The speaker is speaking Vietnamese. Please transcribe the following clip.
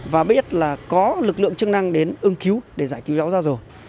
và biết là có lực lượng chức năng đến ưng cứu để giải cứu cháu ra rồi